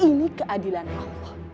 ini keadilan allah